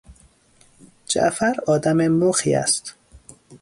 جعفر آدم مخی است